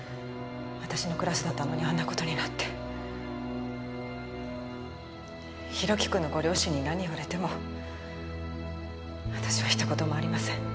私のクラスだったのにあんなことになって弘樹くんのご両親に何言われても私はひと言もありません